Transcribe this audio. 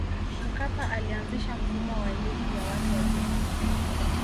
mkapa alianzisha mfumo wa elimu ya watu wazima